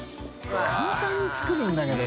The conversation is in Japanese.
簡単に作るんだけど。